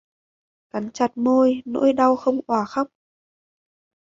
Cắn chặt môi, nỗi đau không òa khóc